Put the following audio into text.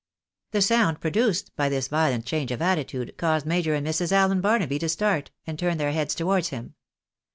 The sound produced by this violent change of attitude, caused Major and Mrs. AUen Barnaby to start, and turn their heads to wards him.